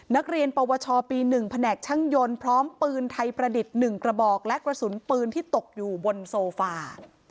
นักเรียนปวชปี๑แผนกช่างยนต์พร้อมปืนไทยประดิษฐ์๑กระบอกและกระสุนปืนที่ตกอยู่บนโซฟา